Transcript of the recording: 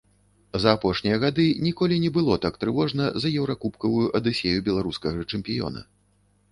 За апошнія гады ніколі не было так трывожна за еўракубкавую адысею беларускага чэмпіёна.